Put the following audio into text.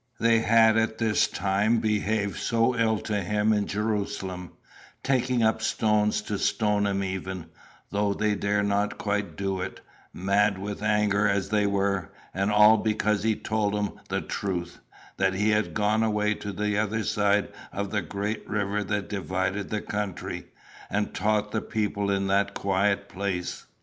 "They had at this time behaved so ill to him in Jerusalem taking up stones to stone him even, though they dared not quite do it, mad with anger as they were and all because he told them the truth that he had gone away to the other side of the great river that divided the country, and taught the people in that quiet place.